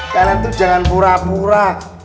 kalian tuh jangan pura pura